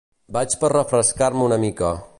Vaig per refrescar-me una mica.